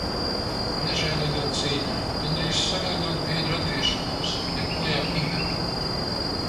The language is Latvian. Nežēlīgā cīņā, gandrīz sagaidot biedru atgriešanos, iet bojā Iveta.